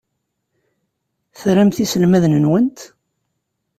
Tramt iselmaden-nwent?